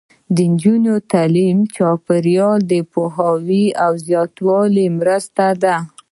د نجونو تعلیم د چاپیریال پوهاوي زیاتولو مرسته ده.